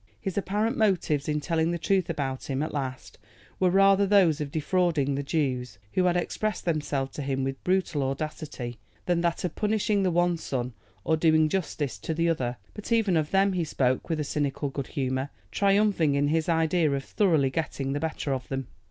His apparent motives in telling the truth about him at last were rather those of defrauding the Jews, who had expressed themselves to him with brutal audacity, than that of punishing the one son or doing justice to the other; but even of them he spoke with a cynical good humor, triumphing in his idea of thoroughly getting the better of them.